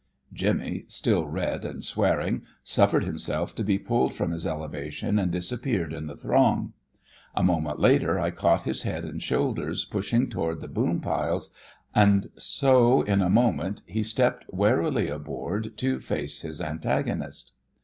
Jimmy, still red and swearing, suffered himself to be pulled from his elevation and disappeared in the throng. A moment later I caught his head and shoulders pushing toward the boom piles, and so in a moment he stepped warily aboard to face his antagonist.